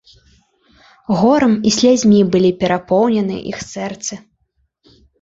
Горам і слязьмі былі перапоўнены іх сэрцы.